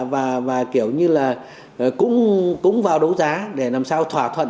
và kiểu như là cũng vào đấu giá để làm sao thỏa thuận